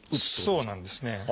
そうなんですね。